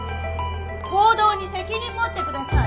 行動に責任持って下さい。